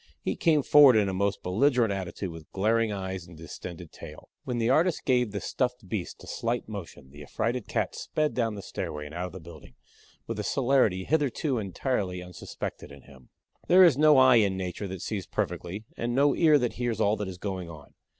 He came forward in a most belligerent attitude with glaring eyes and distended tail. When the artist gave the stuffed beast a slight motion the affrighted cat sped down the stairway and out of the building with the celerity hitherto entirely unsuspected in him. There is no eye in Nature that sees perfectly and no ear that hears all that is going on.